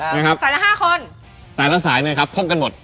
สายละ๕คนแต่ละสายนึงครับพบกันหมด